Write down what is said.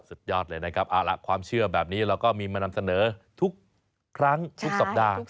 สุดยอดเลยนะครับเอาล่ะความเชื่อแบบนี้เราก็มีมานำเสนอทุกครั้งทุกสัปดาห์